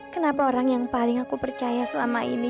kenapa orang yang paling aku percaya selama ini